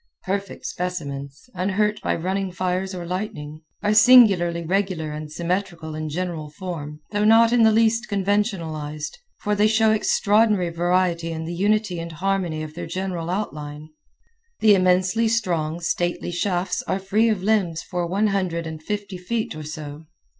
Perfect specimens, unhurt by running fires or lightning, are singularly regular and symmetrical in general form though not in the least conventionalized, for they show extraordinary variety in the unity and harmony of their general outline. The immensely strong, stately shafts are free of limbs for one hundred and fifty feet or so.